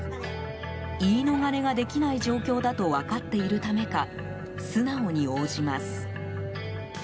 言い逃れができない状況だと分かっているためか素直に応じます。